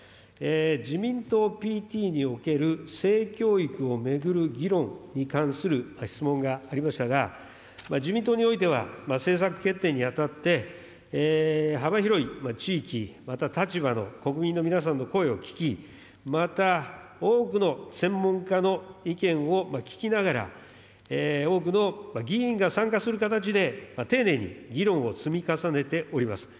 自民党ＰＴにおける性教育を巡る議論に関する質問がありましたが、自民党においては、政策決定にあたって、幅広い地域、また立場の国民の皆さんの声を聞き、また多くの専門家の意見を聞きながら、多くの議員が参加する形で、丁寧に議論を積み重ねております。